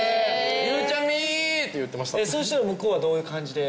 「ゆうちゃみ」って言ってましたそしたら向こうはどういう感じで？